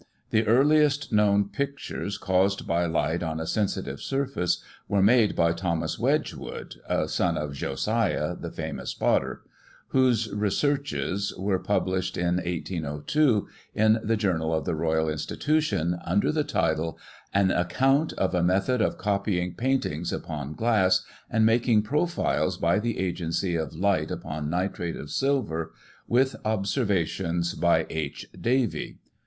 The earliest known pictures caused by light on a sensitive surface were made by Thomas Wedgwood (a son of Josiah, the famous potter), whose researches were pub lished in 1802 in the Journal of the Royal Institution, under the title :" An account of a Method of copying Paintings upon Glass, and making Profiles by the agency of Light upon Nitrate of Silver: with Observations by H. Davy."